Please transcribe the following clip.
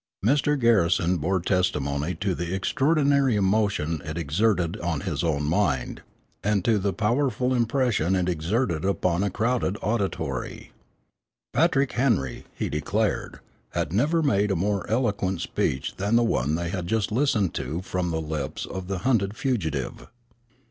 Mr. Garrison bore testimony to "the extraordinary emotion it exerted on his own mind and to the powerful impression it exerted upon a crowded auditory." "Patrick Henry," he declared, "had never made a more eloquent speech than the one they had just listened to from the lips of the hunted fugitive."